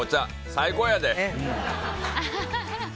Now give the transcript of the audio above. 最高やで！